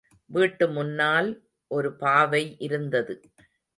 வீட்டு முன்னால் ஒரு பாவை இருந்தது.